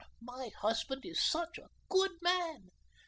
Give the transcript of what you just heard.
My husband is such a GOOD man.